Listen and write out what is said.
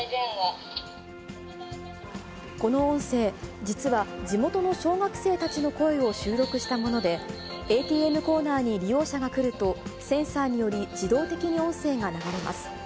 この音声、実は地元の小学生たちの声を収録したもので、ＡＴＭコーナーに利用者が来ると、センサーにより自動的に音声が流れます。